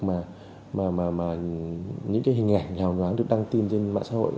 mà những hình ảnh hào nhoáng được đăng tin trên mạng xã hội